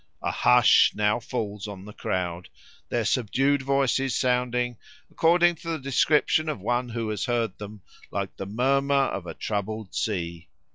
A hush now falls on the crowd, their subdued voices sounding, according to the description of one who has heard them, like the murmur of a troubled sea.